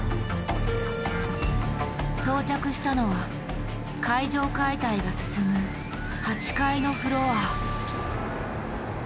到着したのは階上解体が進む８階のフロア。